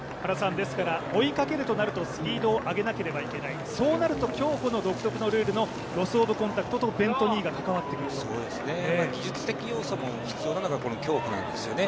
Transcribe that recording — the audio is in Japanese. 追いかけるとなるとスピードを上げなければいけない、そうなると競歩の独特のルールのロス・オブ・コンタクトと技術的要素も必要なのかこの競歩なんですよね。